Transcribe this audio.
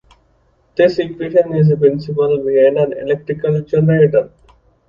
This equation is the principle behind an electrical generator.